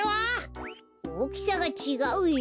おおきさがちがうよ。